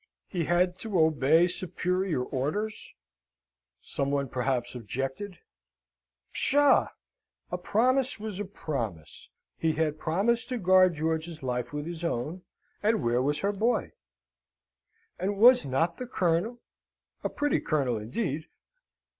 He had to obey superior orders (some one perhaps objected)? Psha! a promise was a promise. He had promised to guard George's life with his own, and where was her boy? And was not the Colonel (a pretty Colonel, indeed!)